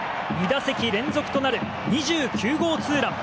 ２打席連続となる２９号ツーラン。